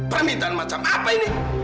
permintaan macam apa ini